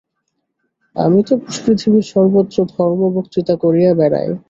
আমি তো পৃথিবীর সর্বত্র ধর্ম-বক্তৃতা করিয়া বেড়াই।